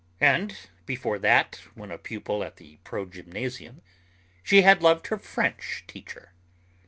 And before that, when a pupil at the progymnasium, she had loved her French teacher.